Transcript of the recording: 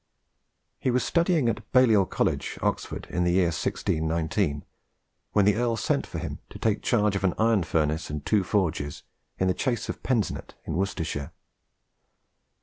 He was studying at Baliol College, Oxford, in the year 1619, when the Earl sent for him to take charge of an iron furnace and two forges in the chase of Pensnet in Worcestershire.